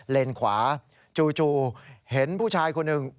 เลนขวาจู่เห็นผู้ชายคนหนึ่ง